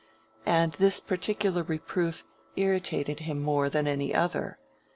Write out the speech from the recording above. And this particular reproof irritated him more than any other.